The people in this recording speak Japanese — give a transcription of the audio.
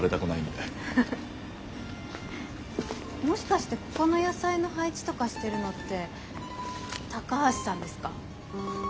もしかしてここの野菜の配置とかしてるのって高橋さんですか？